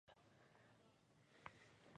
دغه بکتریا د بدن مهم ویتامینونه جوړوي.